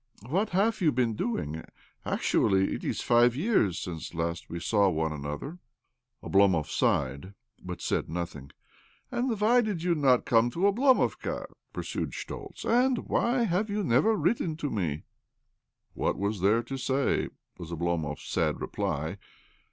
What have you been doing? Actually, it is five years since last we saw one another I " Oblomov sighed, but said nothing. " And why did you not come to Oblo movka ?" pursued Schtoltz, " And why have you never written to me ?"" What was there to say? " was Oblomov's sad reply.